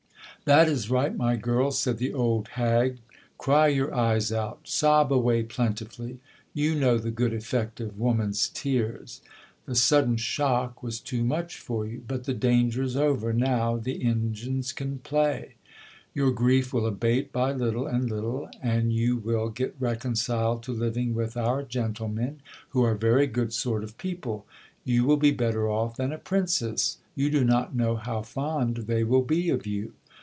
That is right, my girl, said the old hag, cry your eyes out, sob away plentifully, you know the good effect of woman's tears. The sudden shock was too much for you ; but the danger is over now the engines can play. Your grief will abate by little and little, and you will get reconciled to living with our gentlemen, who are very good sort of people. You will be better off than a princess. You do not know how fond they will be of you.